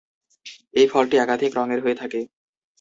এই ফলটি একাধিক রঙের হয়ে থাকে।